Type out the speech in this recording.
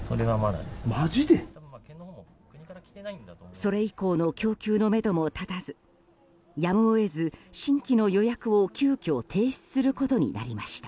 それ以降の供給のめども立たずやむを得ず、新規の予約を急遽停止することになりました。